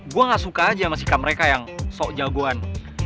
gue gak suka aja sama sikap mereka yang sok jagoan